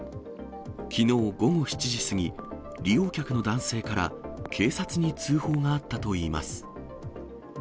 きのう午後７時過ぎ、利用客の男性から警察に通報があったといいます。